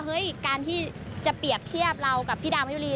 เฮ้ยการที่จะเปรียบเทียบเรากับพี่ดาวมายุรี